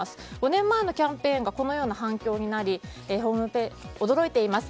５年前のキャンペーンがこのような反響になり驚いています。